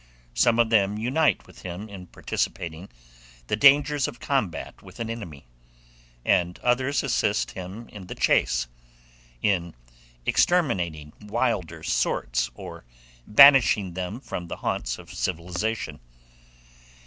Some of them unite with him in participating the dangers of combat with an enemy, and others assist him in the chase, in exterminating wilder sorts, or banishing them from the haunts of civilization.